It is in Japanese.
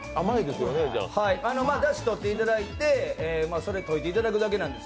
だしとっていただいて、溶いていただくだけなんです。